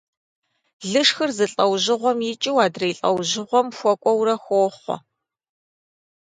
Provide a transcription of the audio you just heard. Лышхыр зы лӀэужьыгъуэм икӀыу адрей лӀэужьыгъуэм хуэкӀуэурэ хохъуэ.